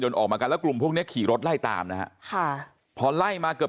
ออกมากันแล้วกลุ่มพวกเนี้ยขี่รถไล่ตามนะฮะค่ะพอไล่มาเกือบ